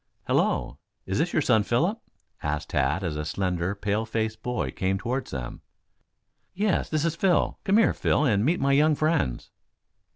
"Hello, is this your son, Philip?" asked Tad, as a slender, pale faced boy came toward them. "Yes, this is Phil. Come here, Phil and meet my young friends."